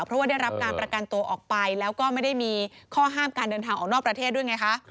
เพราะว่าได้รับการประกันตัวออกไปแล้วก็ไม่ได้มีข้อห้ามการเดินทางออกนอกประเทศด้วยไงคะ